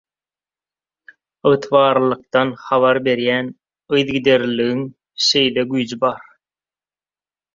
Ygtybarlylykdan habar berýän yzygiderliligiň şeýle güýji bar.